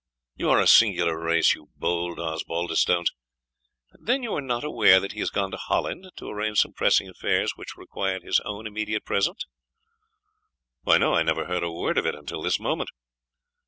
you are a singular race, you bold Osbaldistones. Then you are not aware that he has gone to Holland, to arrange some pressing affairs which required his own immediate presence?" "I never heard a word of it until this moment."